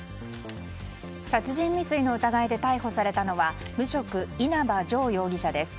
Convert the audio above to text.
殺人未遂の疑いで逮捕されたのは無職・稲葉成容疑者です。